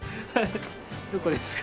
どこですか？